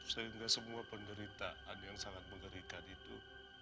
sehingga semua penderitaan yang sangat mengerikan itu